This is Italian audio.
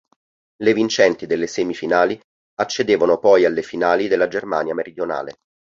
Le vincenti delle semifinali accedevano poi alle finali della Germania meridionale.